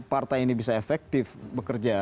partai ini bisa efektif bekerja